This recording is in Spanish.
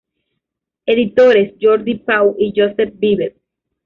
Editores: Jordi Pau y Josep Vives.